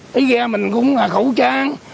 cái ghe mình cũng là khẩu trang